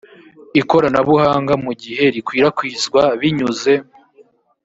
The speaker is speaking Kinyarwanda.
ikoranabuhanga mu gihe rikwirakwizwa binyuze